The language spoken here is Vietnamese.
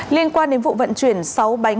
liên quan đến vụ vận chuyển sáu bánh heroin